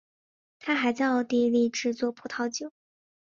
他还在奥地利制作葡萄酒。